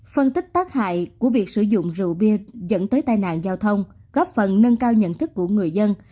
phân tích tác hại của việc sử dụng rượu bia dẫn tới tai nạn giao thông góp phần nâng cao nhận thức của người dân